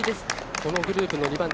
このグループの２番手。